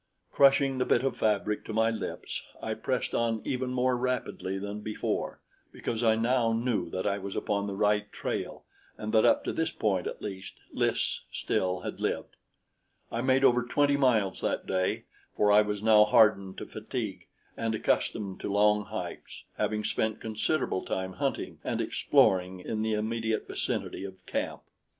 Crushing the bit of fabric to my lips, I pressed on even more rapidly than before, because I now knew that I was upon the right trail and that up to this point at least, Lys still had lived. I made over twenty miles that day, for I was now hardened to fatigue and accustomed to long hikes, having spent considerable time hunting and exploring in the immediate vicinity of camp.